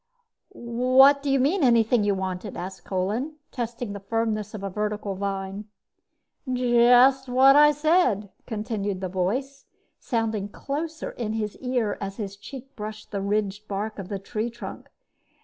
"What do you mean, anything you wanted?" asked Kolin, testing the firmness of a vertical vine. "Just what I said," continued the voice, sounding closer in his ear as his cheek brushed the ridged bark of the tree trunk.